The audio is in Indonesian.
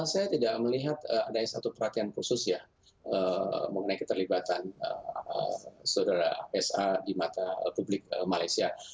saya tidak melihat ada satu perhatian khusus ya mengenai keterlibatan saudara sa di mata publik malaysia